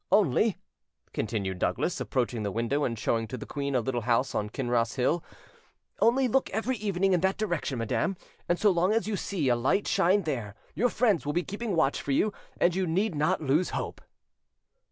Only," continued Douglas, approaching the window and showing to the queen a little house on Kinross hill,—"only, look every evening in that direction, madam, and so long as you see a light shine there, your friends will be keeping watch for you, and you need not lose hope."